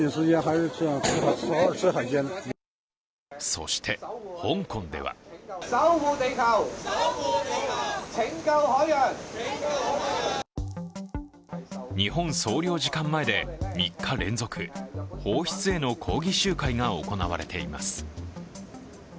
そして香港では日本総領事館前で３日連続放出への抗議集会が行われています。